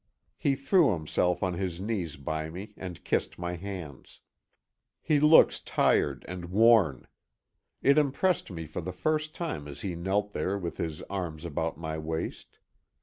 He threw himself on his knees by me and kissed my hands. He looks tired and worn. It impressed me for the first time as he knelt there with his arms about my waist.